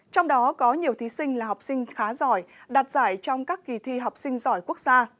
trong đó có nhiều thí sinh là học sinh khá giỏi đạt giải trong các kỳ thi học sinh giỏi quốc gia